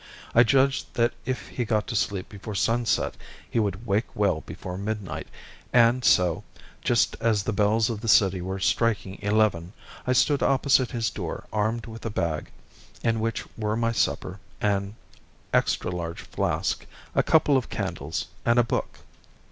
I judged that if he got to sleep before sunset he would wake well before midnight, and so, just as the bells of the city were striking eleven, I stood opposite his door armed with a bag, in which were my supper, an extra large flask, a couple of candles, and a book.